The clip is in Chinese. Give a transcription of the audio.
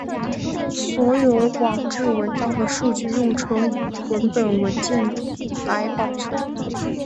所有网志文章的数据用纯文本文件来保存。